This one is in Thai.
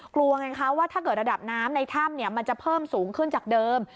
กลัวไงคะว่าถ้าเกิดระดับน้ำในถ้ำมันจะเพิ่มสูงขึ้นจากเดิม